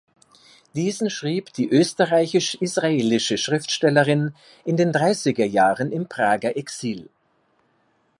Diesen schrieb die österreichisch-israelische Schriftstellerin in den dreißiger Jahren im Prager Exil.